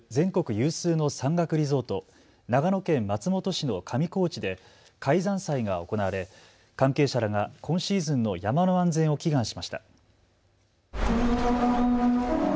有数の山岳リゾート、長野県松本市の上高地で開山祭が行われ関係者らが今シーズンの山の安全を祈願しました。